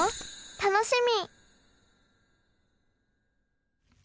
楽しみ！